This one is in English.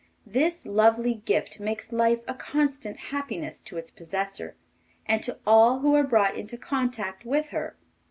This lovely gift makes life a constant happiness to its possessor, and to all who are brought into contact with her.